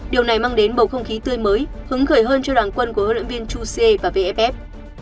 điều này mang đến bầu không khí tươi mới hứng khởi hơn cho đoàn quân của huấn luyện viên chuse và vff